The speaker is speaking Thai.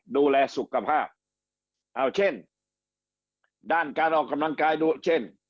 ดูแลสุขภาพเอาเช่นด้านการออกกำลังกายดูเช่น